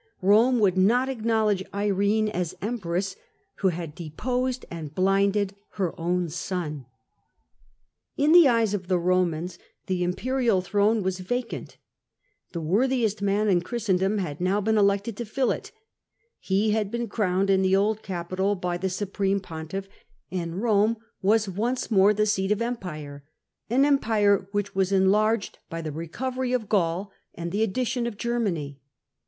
Eome would not acknowledge Irene as empress, who had deposed and blinded her own son. In the eyes of the Bomans the imperial throne was vacant; the worthiest man in Christendom had now been elected to fill it ; he had been crowned in the old capital by the supreme pontiff, and Borne was once Digitized by VjOOQIC 8 HlLDEBRAND more the seat of empire — an empire which was en larged by the recovery of Gaul and the addition of Germany.